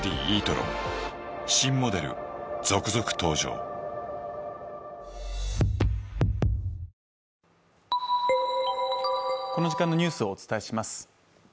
うんこの時間のニュースをお伝えします